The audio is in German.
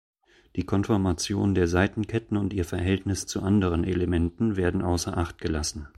Die Konformation der Seitenketten und ihr Verhältnis zu anderen Elementen werden außer Acht gelassen.